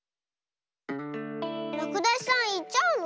らくだしさんいっちゃうの？